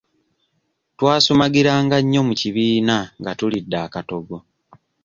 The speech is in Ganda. Twasumagiranga nnyo mu kibiina nga tulidde akatogo.